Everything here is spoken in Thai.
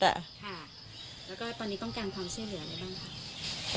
แล้วก็ตอนนี้ต้องการความช่วยเหลืออะไรบ้างคะ